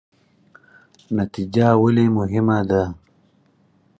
نتیجه ولې مهمه ده؟